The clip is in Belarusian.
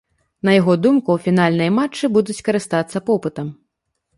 На яго думку, фінальныя матчы будуць карыстацца попытам.